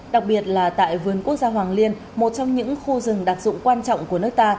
đặc biệt là tại vườn quốc gia hoàng liên một trong những khu rừng đặc dụng quan trọng của nước ta